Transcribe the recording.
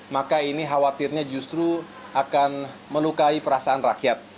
maka ini khawatirnya justru akan melukai perasaan rakyat